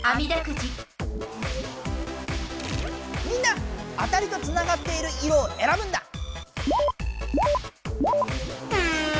みんなあたりとつながっている色をえらぶんだ。